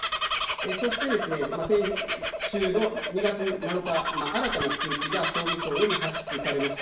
そして、先週の２月７日、新たな通知が総務省より発出されました。